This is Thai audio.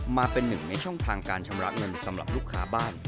มาเป็นหนึ่งในช่องทางการชำระเงินสำหรับลูกค้าบ้าน